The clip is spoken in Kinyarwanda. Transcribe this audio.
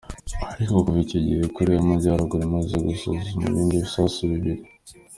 Ariko kuva icyo gihe, Koreya y'Amajyaruguru imaze gusuzuma ibindi bisasu bibiri.